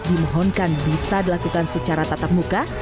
dimohonkan bisa dilakukan secara tatap muka